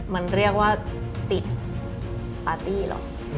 มันเรียกว่าติดปาร์ตี้เหรอ